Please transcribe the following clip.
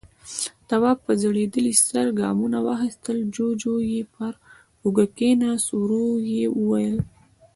تواب په ځړېدلي سر ګامونه واخيستل، جُوجُو يې پر اوږه کېناست، ورو يې وويل: